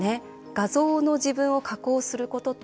画像の自分を加工することと